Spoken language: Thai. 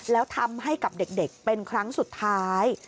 แล้วทำให้กับเด็กเป็นครั้งสุดท้าย